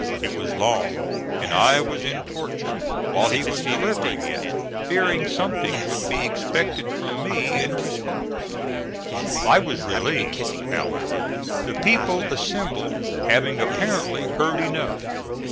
It was long, and I was in torture while he was delivering it, fearing something would be expected from me in response. I was relieved, however, the people assembled having apparently heard enough.